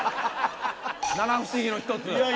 七不思議の一つ？